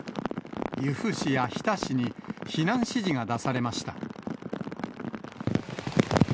由布市や日田市に避難指示が出されました。